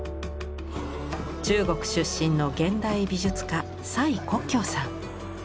中国出身の現代美術家蔡國強さん。